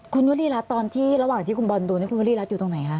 คุณวรีรัฐตอนที่ระหว่างที่คุณบอลโดนนี่คุณวรีรัฐอยู่ตรงไหนคะ